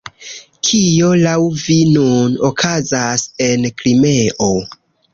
Kio laŭ vi nun okazas en Krimeo?